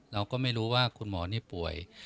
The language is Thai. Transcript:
เราก็ไม่รู้ว่าคุณหมอนี่ป่วย